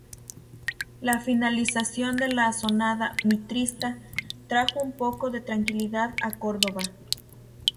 La finalización de la asonada "mitrista" trajo un poco de tranquilidad a Córdoba.